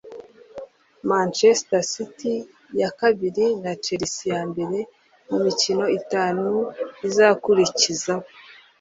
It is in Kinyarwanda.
Manchester City ya kabiri na Chelsea ya mbere mu mikino itanu izakurikizaho